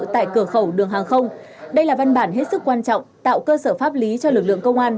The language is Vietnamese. tại cửa khẩu đường hàng không đây là văn bản hết sức quan trọng tạo cơ sở pháp lý cho lực lượng công an